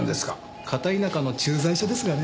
片田舎の駐在所ですがね。